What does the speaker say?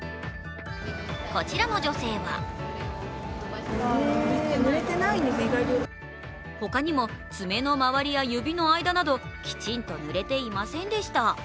こちらの女性は他にも、爪の周りや指の間などきちんと塗れていませんでした。